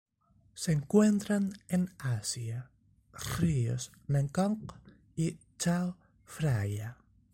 Se encuentran en Asia: ríos Mekong y Chao Phraya.